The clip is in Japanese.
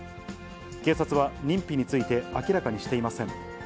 警察は認否について明らかにしていません。